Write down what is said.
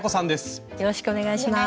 よろしくお願いします。